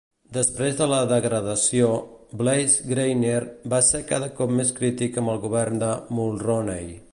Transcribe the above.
Després de la degradació, Blais-Grenier va ser cada cop més crític amb el govern de Mulroney.